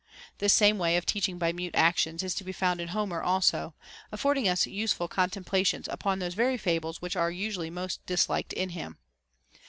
This same way of teach ing by mute actions is to be found in Homer also, afford ing us useful contemplations upon those very fables which are usually most disliked in him.